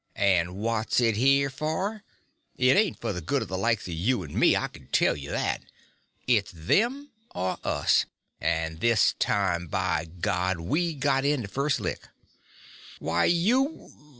And what's it here for? It ain't for the good of the likes of you and me, I can tell you that. It's them or us. And this time, by God, we got in the first lick!" "Why you